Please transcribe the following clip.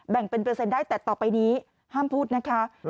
แบ่งเป็นเปอร์เซ็นต์ได้แต่ต่อไปนี้ห้ามพูดนะคะ